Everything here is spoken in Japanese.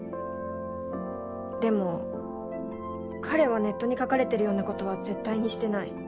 でも彼はネットに書かれてるようなことは絶対にしてない。